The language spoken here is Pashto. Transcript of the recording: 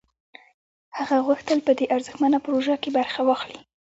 هغه غوښتل په دې ارزښتمنه پروژه کې برخه واخلي